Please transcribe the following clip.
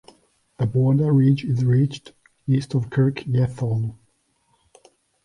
The border ridge is reached east of Kirk Yetholm.